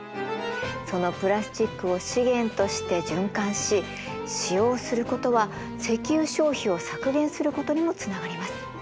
そのプラスチックを資源として循環し使用することは石油消費を削減することにもつながります。